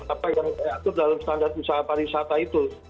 apa yang diatur dalam standar usaha pariwisata itu